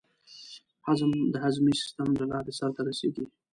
هضم د هضمي سیستم له لارې سر ته رسېږي.